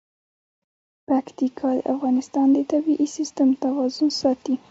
پکتیکا د افغانستان د طبعي سیسټم توازن ساتي.